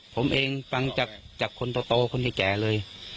ผมเองฟังจากคนโตคนที่แก่เลย